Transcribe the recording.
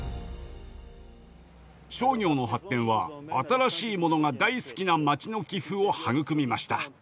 商業の発展は新しいものが大好きな街の気風を育みました。